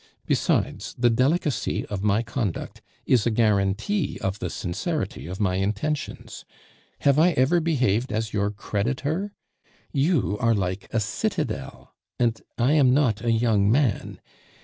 Besides, the delicacy of my conduct is a guarantee of the sincerity of my intentions. Have I ever behaved as your creditor? You are like a citadel, and I am not a young man.